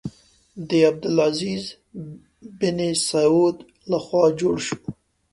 د عبدالعزیز بن سعود له خوا جوړ شو.